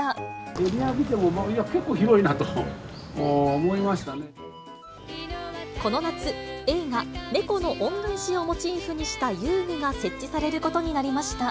エリア見ても、結構広いなとこの夏、映画、猫の恩返しをモチーフにした遊具が設置されることになりました。